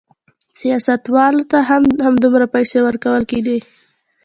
سیاستوالو ته هم همدومره پیسې ورکول کېدې.